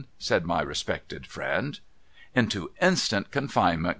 ' said my respected friend. ' Into instant confinement.